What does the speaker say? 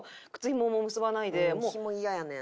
ひも嫌やねん。